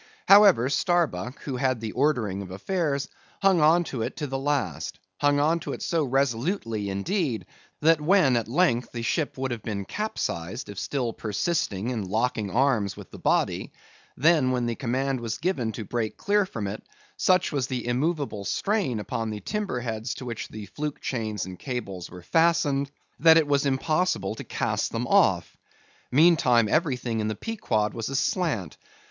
However, Starbuck, who had the ordering of affairs, hung on to it to the last; hung on to it so resolutely, indeed, that when at length the ship would have been capsized, if still persisting in locking arms with the body; then, when the command was given to break clear from it, such was the immovable strain upon the timber heads to which the fluke chains and cables were fastened, that it was impossible to cast them off. Meantime everything in the Pequod was aslant.